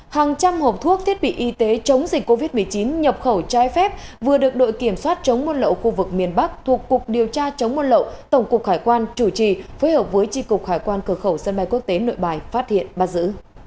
hàng trăm hộp thuốc thiết bị y tế chống dịch covid một mươi chín nhập khẩu trái phép vừa được đội kiểm soát chống buôn lậu khu vực miền bắc thuộc cục điều tra chống buôn lậu tổng cục hải quan chủ trì phối hợp với tri cục hải quan cửa khẩu sân bay quốc tế nội bài phát hiện bắt giữ